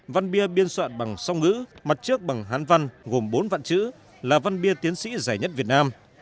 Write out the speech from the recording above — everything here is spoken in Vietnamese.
văn bia biên soạn bằng song ngữ mặt trước bằng hán văn gồm bốn vạn chữ là văn bia tiến sĩ dài nhất việt nam